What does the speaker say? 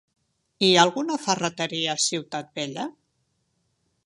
Hi ha alguna ferreteria a Ciutat Vella?